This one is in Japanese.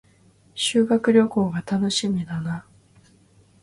修学旅行が楽しみだな